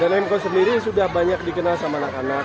dan emco sendiri sudah banyak dikenal sama anak anak